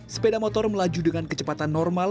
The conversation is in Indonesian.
sepeda motor melaju dengan kecepatan normal